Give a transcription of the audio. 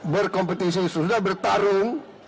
berkompetisi sesudah bertarung